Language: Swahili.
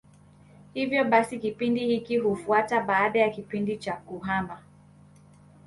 Hivyo basi kipindi hiki hufuata baada ya kipindi cha kuhama.